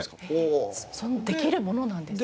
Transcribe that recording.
できるものなんですね。